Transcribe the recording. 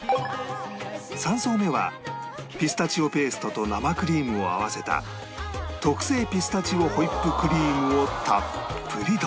３層目はピスタチオペーストと生クリームを合わせた特製ピスタチオホイップクリームをたっぷりと！